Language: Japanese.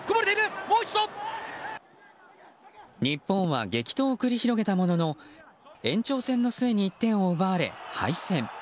日本は激闘を繰り広げたものの延長戦の末に１点を奪われ敗戦。